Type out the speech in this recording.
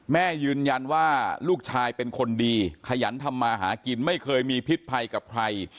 แม่ยืนยันว่าลูกชายเป็นคนดีขยันทำมาหากินไม่เคยมีพิษภัยกับใคร